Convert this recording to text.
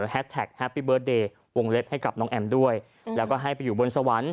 แฮปปี้เบิร์ตเดย์วงเล็บให้กับน้องแอมด้วยแล้วก็ให้ไปอยู่บนสวรรค์